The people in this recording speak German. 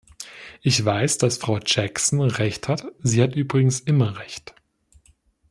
Ich weiß, dass Frau Jackson recht hat sie hat übrigens immer recht.